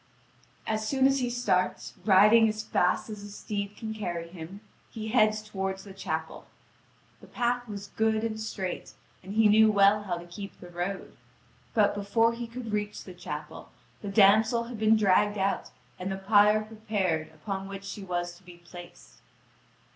And as soon as he starts, riding as fast as his steed can carry him, he heads toward the chapel. The path was good and straight, and he knew well how to keep the road. But before he could reach the chapel, the damsel had been dragged out and the pyre prepared upon which she was to be placed.